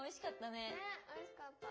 ねおいしかった。